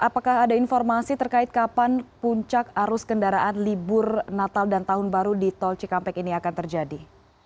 apakah ada informasi terkait kapan puncak arus kendaraan libur natal dan tahun baru di tol cikampek ini akan terjadi